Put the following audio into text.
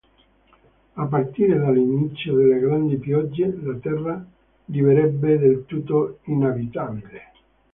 A partire dall'inizio delle "Grandi Piogge", la Terra diverrebbe del tutto inabitabile.